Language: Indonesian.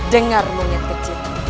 dengar monyet kecil